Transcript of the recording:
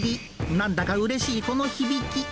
なんだかうれしいこの響き。